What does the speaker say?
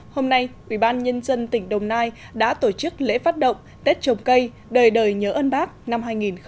hôm nay ubnd tỉnh đồng nai đã tổ chức lễ phát động tết trồng cây đời đời nhớ ân bác năm hai nghìn một mươi tám